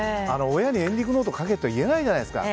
親にエンディングノートを書けとは言えないじゃないですか。